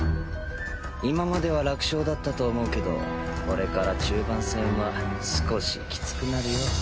今までは楽勝だったと思うけどこれから中盤戦は少しきつくなるよ。